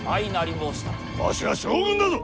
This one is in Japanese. わしは将軍だぞ！